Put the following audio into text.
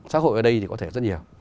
xã hội ở đây thì có thể rất nhiều